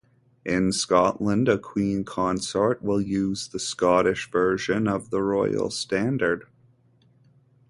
In Scotland, a queen consort will use the Scottish version of the Royal Standard.